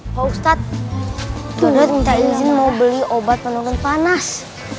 pak ustadz sudah minta izin mau beli obat menurun panas